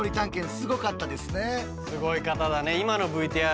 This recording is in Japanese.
すごい方だね。